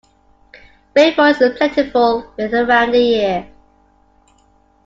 Rainfall is plentiful, with around a year.